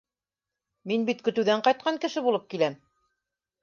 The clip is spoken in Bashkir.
Мин бит көтөүҙән ҡайтҡан кеше булып киләм.